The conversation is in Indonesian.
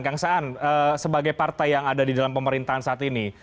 kang saan sebagai partai yang ada di dalam pemerintahan saat ini